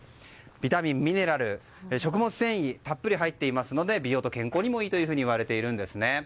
ビタミン、ミネラル、食物繊維たっぷり入っていますので美容と健康にもいいというふうにいわれているんですね。